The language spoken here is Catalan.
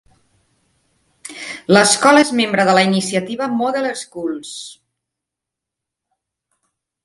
L'escola és membre de la iniciativa Model Schools.